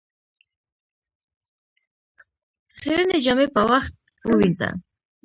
خيرنې جامې په وخت ووينځه